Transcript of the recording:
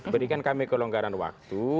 berikan kami kelonggaran waktu